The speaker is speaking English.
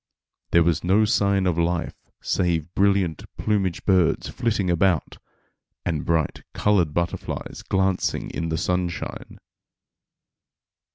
There was no sign of life save brilliant plumaged birds flitting about, and bright colored butterflies glancing in the sunshine.